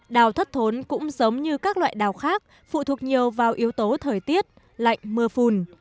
đào thất thốn cũng giống như các loại đào khác phụ thuộc nhiều vào yếu tố thời tiết lạnh mưa phùn